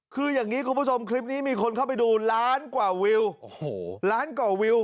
คืออย่างนี้คุณผู้ชมคลิปนี้มีคนเข้าไปดูล้านกว่าวิวล้านกว่าวิว